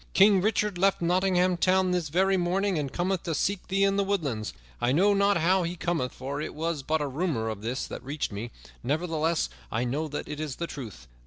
King Richard left Nottingham Town this very morning, and cometh to seek thee in the woodlands. I know not how he cometh, for it was but a rumor of this that reached me; nevertheless, I know that it is the truth.